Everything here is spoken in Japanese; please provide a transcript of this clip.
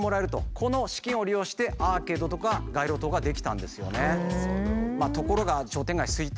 この資金を利用してアーケードとか街路灯が出来たんですよね。